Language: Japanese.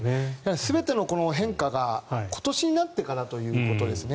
全ての変化が今年になってからということですね。